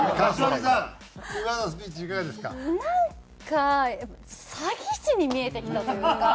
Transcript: なんか詐欺師に見えてきたというか。